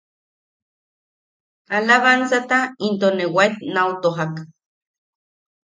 Alabansata into ne waet nau tojak.